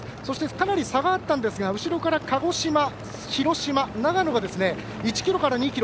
そして、かなり差があったんですが、後ろから鹿児島、広島、長野が１ｋｍから２ｋｍ。